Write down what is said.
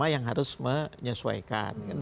yang harus menyesuaikan